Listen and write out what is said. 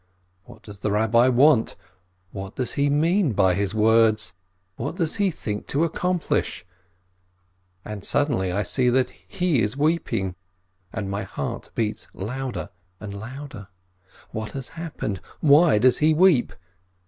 What does the Rabbi want? What does he mean by his words? What does he think to accomplish ? And suddenly I see that he is weeping, and my heart beats louder and louder. What has happened ? Why does he weep